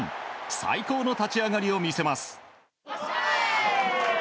最高の立ち上がりを見せます。